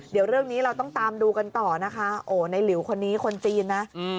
เดี๋ยวเรื่องนี้เราต้องตามดูกันต่อนะคะโอ้ในหลิวคนนี้คนจีนนะ